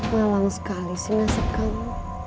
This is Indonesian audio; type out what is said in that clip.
malang sekali sih nasib kamu